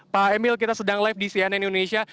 pak emil kita sedang live di cnn indonesia